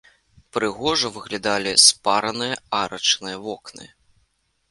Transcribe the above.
Прыгожа выглядалі спараныя арачныя вокны.